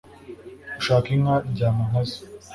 ushaka inka aryama nka zo